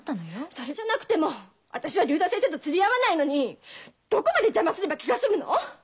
それじゃなくても私は竜太先生と釣り合わないのにどこまで邪魔すれば気が済むの！？